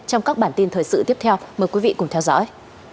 trong các bản tin thời sự tiếp theo mời quý vị cùng theo dõi